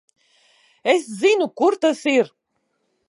Es zinu, kur tas ir.